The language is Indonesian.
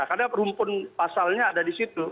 karena rumpun pasalnya ada di situ